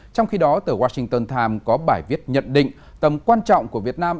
trong khi đó tờ washington times có bài viết nhận định tầm quan trọng của việt nam